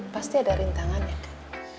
pasti ada rintangan ya kan